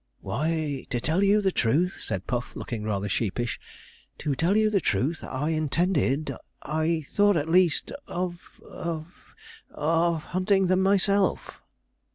'Why, to tell you the truth,' said Puff, looking rather sheepish, 'to tell you the truth I intended I thought at least of of of hunting them myself.'